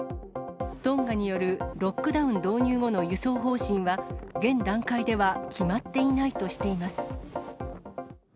トンガによるロックダウン導入後の輸送方針は、現段階では決まっていないとしています。